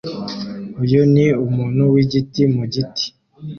Uyu ni umuntu wigiti mu giti